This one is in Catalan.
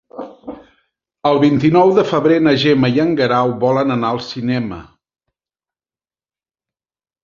El vint-i-nou de febrer na Gemma i en Guerau volen anar al cinema.